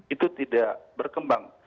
itu tidak berkembang